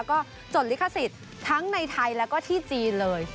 ก็จดลิขสิทธิ์ทั้งในไทยแล้วก็ที่จีนเลย